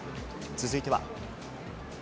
続いては。